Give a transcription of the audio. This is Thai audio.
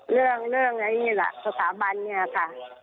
เรื่องสถาบันนี้ค่ะ